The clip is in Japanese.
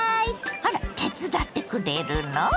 あら手伝ってくれるの⁉